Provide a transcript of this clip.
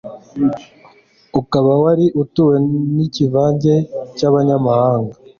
ukaba wari utuwe n'ikivange cy'abanyamahanga